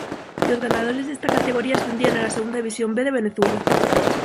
Los ganadores de esta categoría ascendían a la Segunda División B de Venezuela.